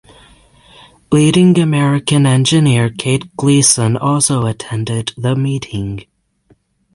Leading American engineer Kate Gleeson also attended the meeting.